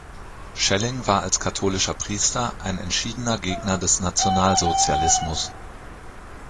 Schelling war als katholischer Priester ein entschiedener Gegner des Nationalsozialismus.